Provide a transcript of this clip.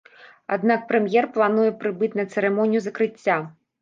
Аднак прэм'ер плануе прыбыць на цырымонію закрыцця.